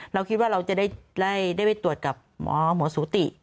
เราคิดว่าเราจะได้ไปตรวจกับหมอหมอสูติ